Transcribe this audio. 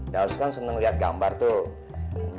daus kan seneng liat gambar tuh